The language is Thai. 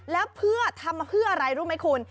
แล้วเพื่อทำเพื่ออะไรรู้ไหมคุณ